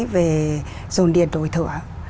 về dồn điện đổi thửa